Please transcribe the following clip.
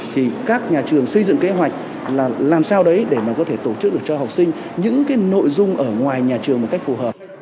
thì các nhà trường xây dựng kế hoạch là làm sao đấy để mà có thể tổ chức được cho học sinh những cái nội dung ở ngoài nhà trường một cách phù hợp